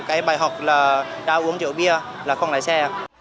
cái bài học là đã uống rượu bia là không lái xe